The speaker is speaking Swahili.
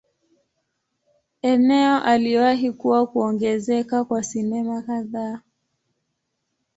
Eneo aliwahi kuwa kuongezeka kwa sinema kadhaa.